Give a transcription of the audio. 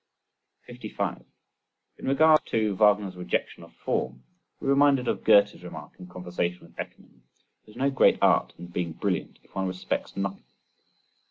55. In regard to Wagner's rejection of form, we are reminded of Goethe's remark in conversation with Eckermann: "there is no great art in being brilliant if one respects nothing."